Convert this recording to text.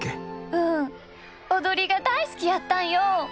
うん踊りが大好きやったんよ。